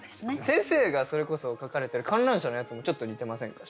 先生がそれこそ書かれてる観覧車のやつもちょっと似てませんか？